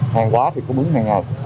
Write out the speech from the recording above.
hàng quá thì cũng bướng hàng ngày